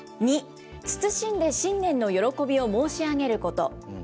２、謹んで新年の喜びを申し上げること。